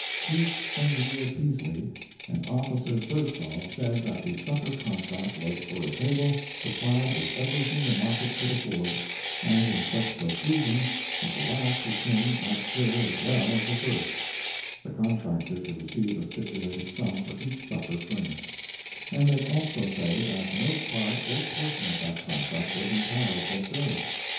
Chief Engineer Peasley and officer Birdsall said that the supper contract was for a table supplied with everything the market could afford, and in such profusion that the last who came might fare as well as the first (the contractor to receive a stipulated sum for each supper furnished)—and they also say that no part or portion of that contract was entirely fulfilled.